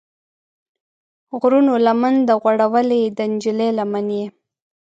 غرونو لمن ده غوړولې، د نجلۍ لمن یې